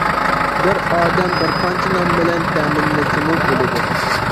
بىر ئادەم بىر قانچە نام بىلەن تەمىنلىسىمۇ بولىدۇ.